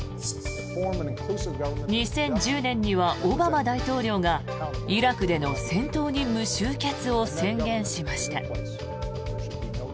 ２０１０年にはオバマ大統領がイラクでの戦闘任務終結を宣言しました。